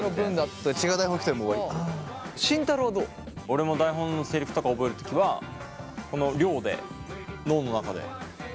俺も台本のセリフとか覚える時はこの量で脳の中で。